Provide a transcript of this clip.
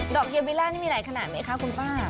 ดอกเกียวบิลล่านี่มีไหนขนาดไหมคะคุณป้า